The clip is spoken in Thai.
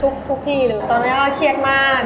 ทุกที่เลยตอนนี้ก็เครียดมาก